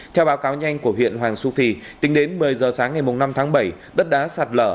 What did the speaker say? theo báo cáo nhanh của huyện hoàng su phi tính đến một mươi giờ sáng ngày năm tháng bảy đất đá sạt lở